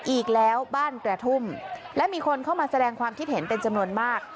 อีกแล้วบ้านกระทุ่มและมีคนเข้ามาแสดงความคิดเห็นเป็นจำนวนมาก